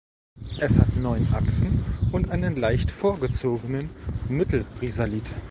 Es hat neun Achsen und einen leicht vorgezogenen Mittelrisalit.